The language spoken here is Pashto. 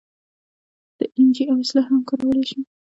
د این جي او اصطلاح هم کارولی شو.